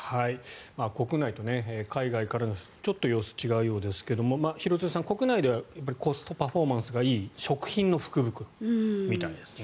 国内と海外からだとちょっと様子が違うようですが廣津留さん、国内ではコストパフォーマンスがいい食品の福袋みたいですね。